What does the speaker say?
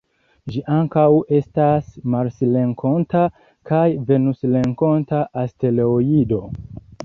Ĝi ankaŭ estas marsrenkonta kaj venusrenkonta asteroido.